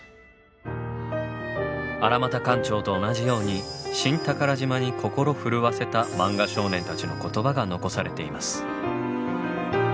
荒俣館長と同じように「新寳島」に心震わせたマンガ少年たちの言葉が残されています。